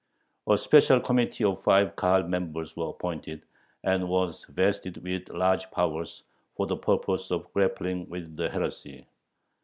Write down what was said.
A special committee of five Kahal members was appointed, and was vested with large powers, for the purpose of grappling with the "heresy."